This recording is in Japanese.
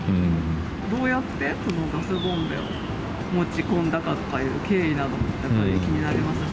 どうやってガスボンベを持ち込んだかとかいう経緯などもやっぱり気になりますね。